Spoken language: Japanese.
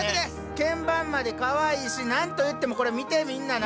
けん盤までかわいいし何と言ってもこれ見てみんな中。